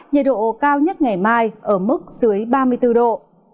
nhiệt độ cao nhất ngày mai ở mức dưới ba mươi bốn độ